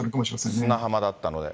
砂浜だったので。